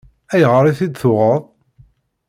Ayɣer i t-id-tuɣeḍ?